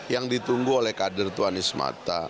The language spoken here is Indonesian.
yang ditunggu oleh kader itu anies mata